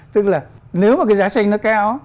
tức là nếu mà cái giá tranh nó cao